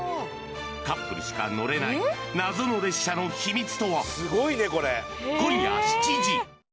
カップルしか乗れない謎の列車の秘密とは。